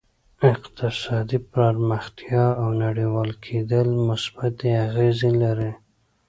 اقتصادي پرمختیا او نړیوال کېدل مثبتې اغېزې لري